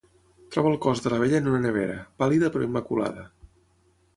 Troba el cos de la vella en una nevera, pàl·lida però immaculada.